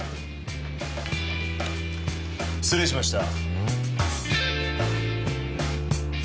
失礼しました。